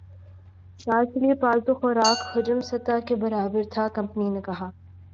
سال کے لیے پالتو خوراک حجم سطح کے برابر تھا کمپنی نے کہا